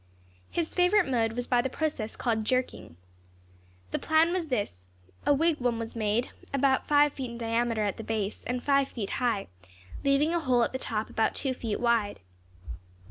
His favourite mode was by the process called jerking. The plan was this: A wig wam was made, about five feet in diameter at the base, and five feet high, leaving a hole at the top about two feet wide.